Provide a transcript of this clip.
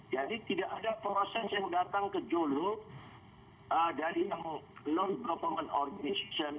jadi tidak ada perosensi yang datang ke jolo dari non performance organization